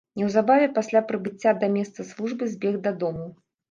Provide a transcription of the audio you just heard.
Неўзабаве пасля прыбыцця да месца службы збег дадому.